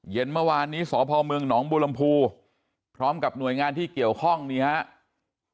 เย็นเมื่อวานนี้สพมหนบพพร้อมกับหน่วยงานที่เกี่ยวข้องนี้ครับ